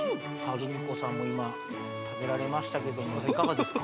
ルミ子さんも今食べられましたけどもいかがですか？